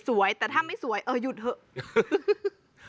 สุดยอดน้ำมันเครื่องจากญี่ปุ่น